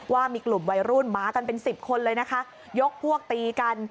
ว่ามีกลุ่มวัยรุ่นมากันเป็นสิบคนเลยนะคะยกพวกตีกัน